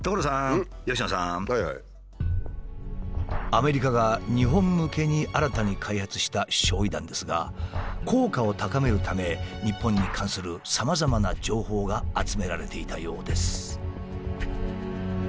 アメリカが日本向けに新たに開発した焼夷弾ですが効果を高めるため日本に関するさまざまな情報が集められていたようです。